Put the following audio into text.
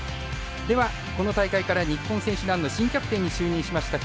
では、この大会から日本選手団の新キャプテンに就任しました